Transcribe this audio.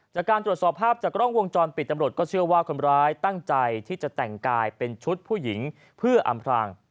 จากการตรวจสอบภาพจากกล้องวงจรปิดตำรวจก็เชื่อว่าคนร้ายตั้งใจที่จะแต่งกายเป็นชุดผู้หญิงเพื่ออำพราง